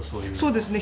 そうですね。